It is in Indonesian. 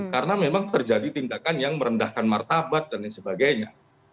karena memang terjadi tindakan yang merendahkan martabat dan lain sebagainya